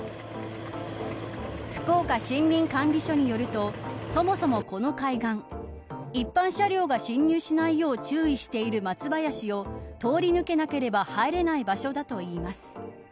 福岡森林管理署によるとそもそも、この海岸一般車両が進入しないよう注意している松林を通り抜けなければ入れない場所だといいます。